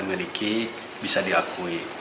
miliki bisa diakui